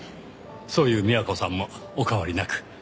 そういう美和子さんもお変わりなく。